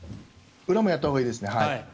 裏もやったほうがいいですね。